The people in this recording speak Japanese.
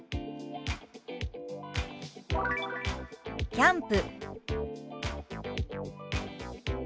「キャンプ」。